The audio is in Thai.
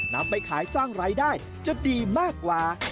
นำไปขายสร้างรายได้จะดีมากกว่า